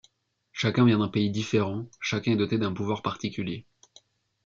Chacun vient d'un pays différent, chacun est doté d'un pouvoir particulier.